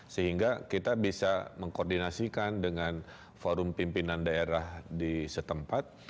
sehingga kita bisa mengkoordinasikan dengan forum pimpinan daerah di setempat